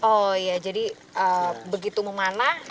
oh iya jadi begitu memanah